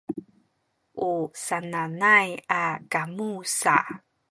u sananay a kamu sa